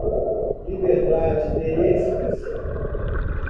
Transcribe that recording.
Liberdade de expressão